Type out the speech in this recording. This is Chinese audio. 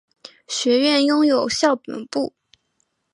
学院拥有校本部。